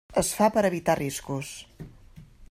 Es fa per a evitar riscos.